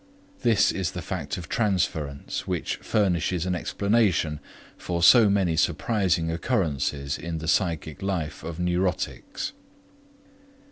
This is the fact of transference which furnishes an explanation for so many surprising occurrences in the psychic life of neurotics.